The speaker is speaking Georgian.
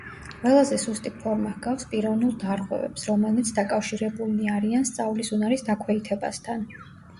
ყველაზე სუსტი ფორმა ჰგავს პიროვნულ დარღვევებს, რომელნიც დაკავშირებულნი არიან სწავლის უნარის დაქვეითებასთან.